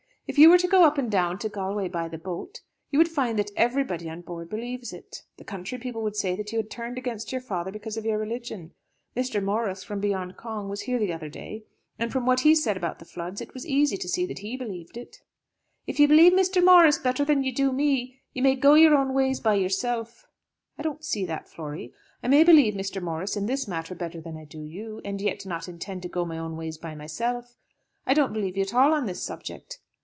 If you were to go up and down to Galway by the boat, you would find that everybody on board believes it. The country people would say that you had turned against your father because of your religion. Mr. Morris, from beyond Cong, was here the other day, and from what he said about the floods it was easy to see that he believed it." "If you believe Mr. Morris better than you do me, you may go your own ways by yourself." "I don't see that, Flory. I may believe Mr. Morris in this matter better than I do you, and yet not intend to go my own ways by myself. I don't believe you at all on this subject."